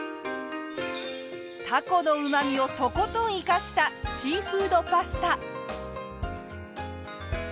タコのうま味をとことん生かしたシーフードパスタ。